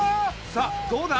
さあどうだ？